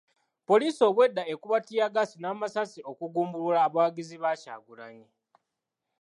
Poliisi obwedda ekuba ttiyaggaasi n'amasasi okugumbulula abawagizi ba Kyagulanyi.